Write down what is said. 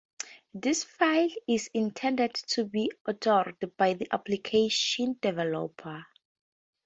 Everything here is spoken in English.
This file is intended to be authored by the application developer.